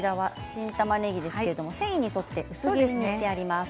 新たまねぎは繊維に沿って薄切りにしてあります。